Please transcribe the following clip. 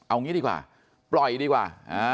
เอางี้ดีกว่าปล่อยดีกว่า